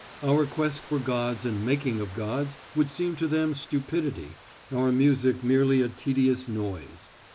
Our quest for gods and making of gods would seem to them stupidity, our music merely a tedious noise.